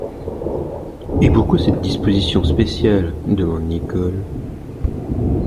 Et pourquoi cette disposition spéciale? demanda Nicholl.